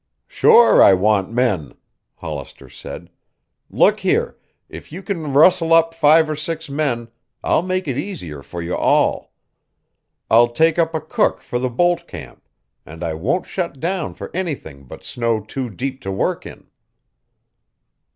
"Sure I want men," Hollister said. "Look here, if you can rustle five or six men, I'll make it easier for you all. I'll take up a cook for the bolt camp. And I won't shut down for anything but snow too deep to work in."